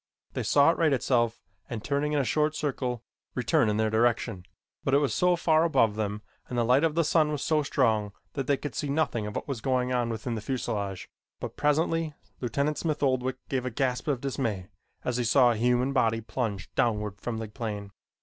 They saw it right itself and, turning in a short circle, return in their direction, but it was so far above them and the light of the sun so strong that they could see nothing of what was going on within the fuselage; but presently Lieutenant Smith Oldwick gave a gasp of dismay as he saw a human body plunge downward from the plane.